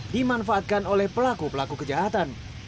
dimanfaatkan oleh pelaku pelaku kejahatan